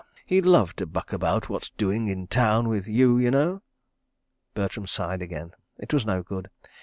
He'd love to buck about what's doing in town, with you, y'know. ..." Bertram sighed again. It was no good.